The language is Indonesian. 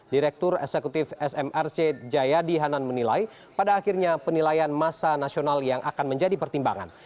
direktur eksekutif smrc jayadi hanan menilai pada akhirnya penilaian masa nasional yang akan menjadi pertimbangan